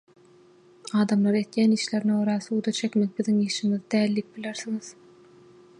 Adamlary edýän işlerine görä suda çekmek biziň işimiz däl diýip bilersiňiz.